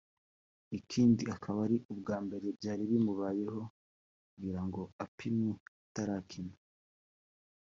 ikindi akaba ari ubwa mbere byari bimubayeho kugira ngo apimwe atarakina